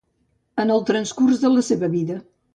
En el transcurs de la seva vida.